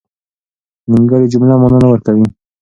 نيمګړې جمله مانا نه ورکوي.